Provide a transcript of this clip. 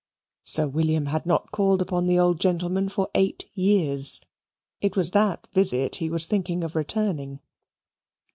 Sir William had not called upon the old gentleman for eight years it was that visit he was thinking of returning.